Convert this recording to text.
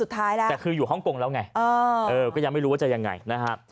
แต่คืออยู่ฮ่องกงแล้วไงก็ยังไม่รู้ว่าจะยังไงนะฮะ